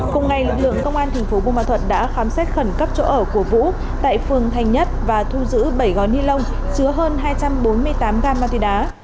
cùng ngày lực lượng công an thành phố bù ma thuật đã khám xét khẩn cấp chỗ ở của vũ tại phường thành nhất và thu giữ bảy gói ni lông chứa hơn hai trăm bốn mươi tám gam ma túy đá